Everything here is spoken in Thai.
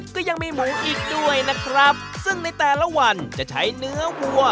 ก็ยังมีหมูอีกด้วยนะครับซึ่งในแต่ละวันจะใช้เนื้อวัว